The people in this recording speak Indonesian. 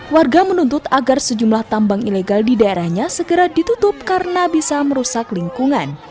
warga menuntut agar sejumlah tambang ilegal di daerahnya segera ditutup karena bisa merusak lingkungan